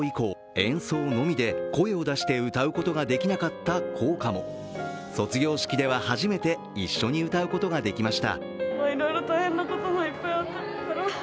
新型コロナの流行以降、演奏のみで声を出して歌うことができなかった校歌も、卒業式では初めて一緒に歌うことができました。